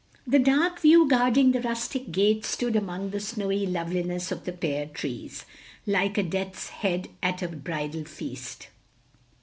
The dark yew guarding the rustic gate stood among the snowy loveliness of the pear trees, like a death's head at a bridal feast.